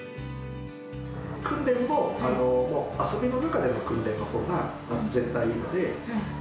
訓練も遊びの中での訓練のほうが絶対いいので。